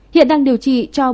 hiện đang điều trị cho bốn mươi